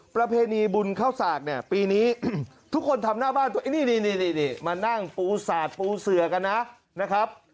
ประเพณีบุญเข้าสากเนี่ยปีนี้ทุกคนทำหน้าบ้านตัวเองนี่มานั่งปูสาดปูเสือกันนะครับ